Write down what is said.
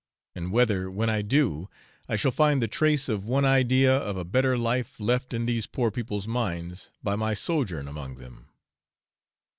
and whether, when I do, I shall find the trace of one idea of a better life left in these poor people's minds by my sojourn among them.